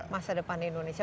masa depan indonesia